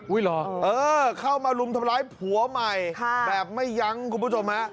เหรอเออเข้ามารุมทำร้ายผัวใหม่แบบไม่ยั้งคุณผู้ชมฮะ